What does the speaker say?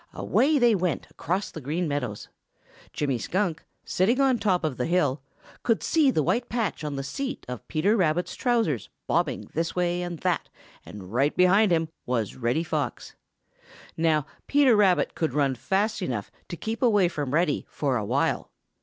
Away they went across the Green Meadows. Jimmy Skunk, sitting on top of the hill, could see the white patch on the seat of Peter Rabbit's trousers bobbing this way and that way, and right behind him was Reddy Fox. Now, Peter Rabbit could run fast enough to keep away from Reddy for a while.